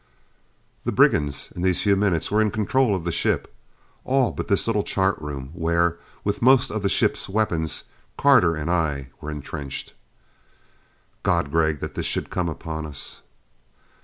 The brigands in these few minutes were in control of the ship. All but this little chart room, where, with most of the ship's weapons, Carter and I were entrenched. "God, Gregg, that this should come upon us!"